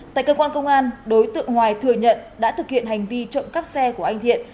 tại cơ quan công an đối tượng hoài thừa nhận đã thực hiện hành vi trộm cắp xe của anh thiện